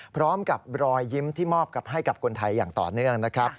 พร้อมกับรอยยิ้มที่มอบให้กับคนไทยอย่างต่อเนื่องนะครับ